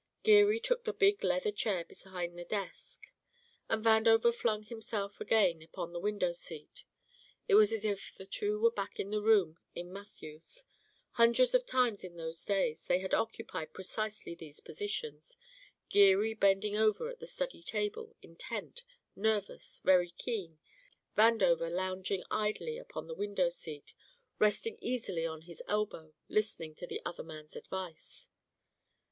Geary took the big leather chair behind the desk, and Vandover flung himself again upon the window seat. It was as if the two were back in the room in Matthew's; hundreds of times in those days they had occupied precisely these positions, Geary bending over at the study table, intent, nervous, very keen, Vandover lounging idly upon the window seat, resting easily on his elbow listening to the other man's advice.